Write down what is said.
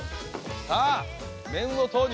さあ麺を投入！